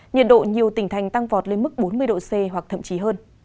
nhiệt độ nhiều tỉnh thành tăng vọt lên mức bốn mươi độ c hoặc thậm chí hơn